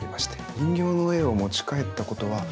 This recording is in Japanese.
人形の絵を持ち帰ったことはないですか？